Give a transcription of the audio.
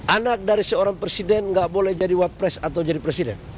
anak dari seorang presiden nggak boleh jadi wapres atau jadi presiden